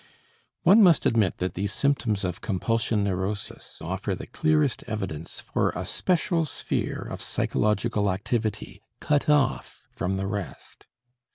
One must admit that these symptoms of compulsion neurosis offer the clearest evidence for a special sphere of psychological activity, cut off from the rest.